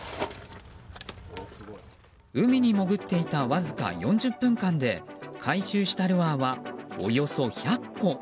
海に潜っていたわずか４０分間で回収したルアーはおよそ１００個。